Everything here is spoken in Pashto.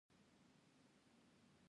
دا ښايي په هغه هوا کې